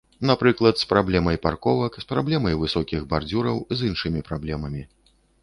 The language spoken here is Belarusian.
Напрыклад, з праблемай парковак, з праблемай высокіх бардзюраў, з іншымі праблемамі.